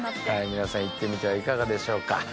皆さん行ってみてはいかがでしょうか？